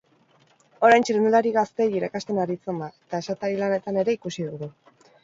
Orain txirrindulari gazteei irakasten aritzen da, eta esatari lanetan ere ikusi dugu.